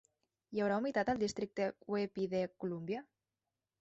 Hi haurà humitat al districte Weippe de Columbia?